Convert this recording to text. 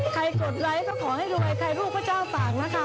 ใครกดไลค์ก็ขอให้รวยใครรูปก็เจ้าตากนะคะ